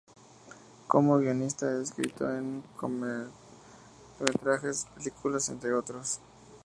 Como guionista ha escrito en cortometrajes, películas, entre otros.